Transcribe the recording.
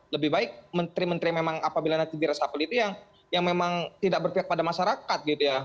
lebih baik menteri menteri memang apabila nanti di resapel itu yang memang tidak berpihak pada masyarakat gitu ya